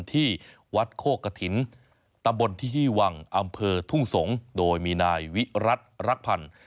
ที่วัดโคกฐินตำบลที่หี้วังอำเภอทุ่งสงศ์โดยมีนายวิรัติรักพันธ์